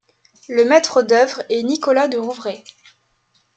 Le maître d'œuvre est Nicolas de Rouvrai.